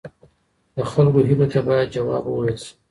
د خلکو هیلو ته باید ځواب وویل سي.